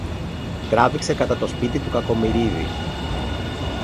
τράβηξε κατά το σπίτι του Κακομοιρίδη.